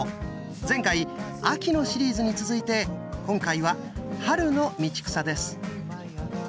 前回秋のシリーズに続いて今回は春の道草です。